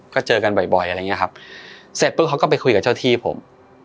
ก็เจอกันบ่อยบ่อยอะไรอย่างเงี้ยครับเสร็จปุ๊บเขาก็ไปคุยกับเจ้าที่ผม